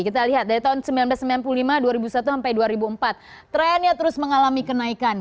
kita lihat dari tahun seribu sembilan ratus sembilan puluh lima dua ribu satu sampai dua ribu empat trennya terus mengalami kenaikan